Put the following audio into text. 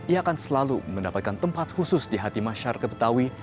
ia akan selalu mendapatkan tempat khusus di hati masyarakat betawi